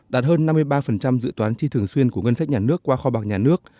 đạt hơn năm mươi ba dự toán chi thường xuyên của ngân sách nhà nước qua kho bạc nhà nước